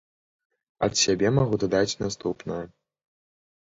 Ад сябе магу дадаць наступнае.